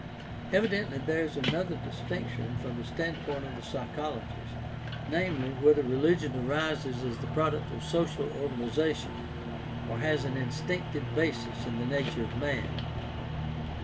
Evidently there is another distinction from the standpoint of the psychologist, namely, whether religion arises as the product of social organization or has an instinctive basis in the nature of man.